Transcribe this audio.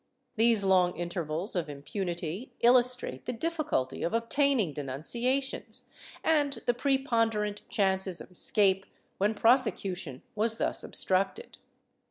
These long intervals of impunity illustrate the difficulty of obtaining denunciations, and the prepon derant chances of escape, w^hen prosecution was thus obstructed.